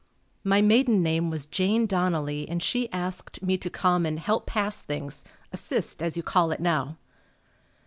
My maiden name was Jane Donnelly and she asked me to come and "Help pass things" "assist" as you call it now.